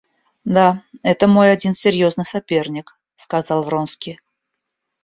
Да, это мой один серьезный соперник, — сказал Вронский.